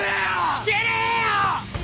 引けねえよ！